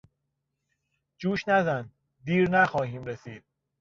جوش نزن، دیر نخواهیم رسید!